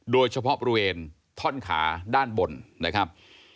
โดยเฉพาะบริเวณท่อนขาด้านบนนะครับ